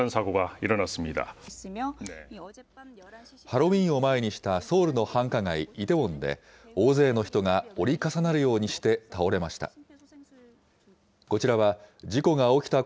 ハロウィーンを前にしたソウルの繁華街、イテウォンで、大勢の人が折り重なるようにして倒れました。